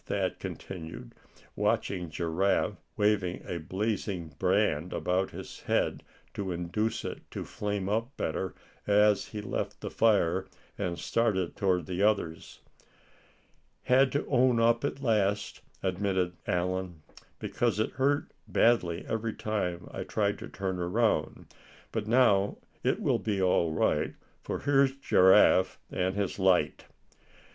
Thad continued, watching Giraffe waving a blazing brand about his head to induce it to flame up better, as he left the fire, and started toward the others. "Had to own up at last," admitted Allan, "because it hurt badly every time I tried to turn around. But now it will be all right; for here's Giraffe and his light."